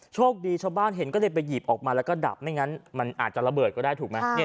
โชคดีชาวบ้านเห็นก็เลยไปหยิบออกมาแล้วก็ดับไม่งั้นมันอาจจะระเบิดก็ได้ถูกไหม